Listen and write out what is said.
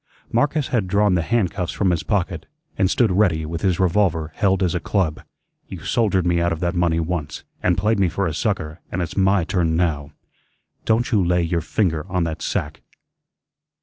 Marcus had drawn the handcuffs from his pocket, and stood ready with his revolver held as a club. "You soldiered me out of that money once, and played me for a sucker, an' it's my turn now. Don't you lay your finger on that sack."